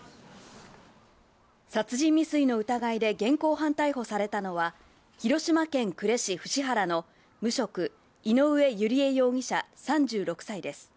殺人未遂の疑いで現行犯逮捕されたのは広島県呉市伏原の無職・井上由利恵容疑者、３６歳です。